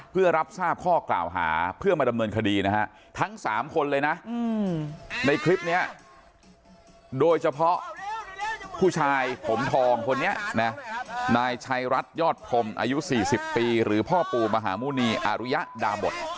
เพื่อรับทราบข้อกล่าวหาเพื่อมาดำเนินคดีนะฮะทั้ง๓คนเลยนะในคลิปนี้โดยเฉพาะผู้ชายผมทองคนนี้นะนายชัยรัฐยอดพรมอายุ๔๐ปีหรือพ่อปู่มหาหมุณีอารุยะดาบท